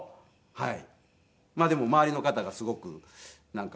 はい。